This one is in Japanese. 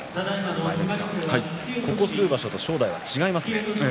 舞の海さん、ここ数場所と正代は違いますね。